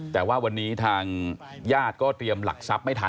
แต่ว่าวันนี้ทางญาติก็เตรียมหลักทรัพย์ไม่ทัน